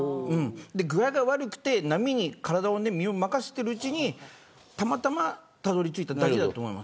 具合が悪くて波に体を身を任せているうちにたまたま、たどり着いただけだと思います。